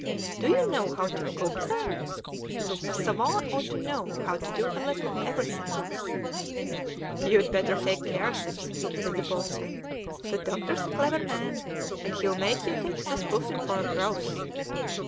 "Do you know how to cook, then?" "A savant ought to know how to do a little of everything." "You'd better take care, Simpson," said the boatswain; "the doctor's a clever man, and he'll make you take this puffin for a grouse."